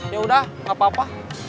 yaudah gak apa apa